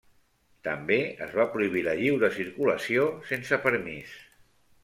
També es va prohibir la lliure circulació sense permís.